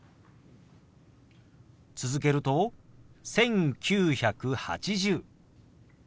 続けると「１９８０」。